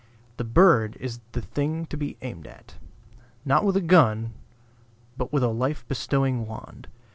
The bird is the thing to be aimed at not with a gun, but a life bestowing wand.